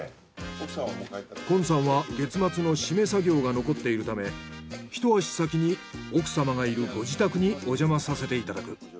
近さんは月末の締め作業が残っているためひと足先に奥様がいるご自宅におじゃまさせていただく。